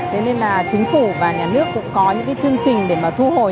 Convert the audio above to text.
thế nên là chính phủ và nhà nước cũng có những cái chương trình để mà thu hồi